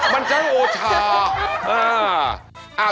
มันจะหูดช่า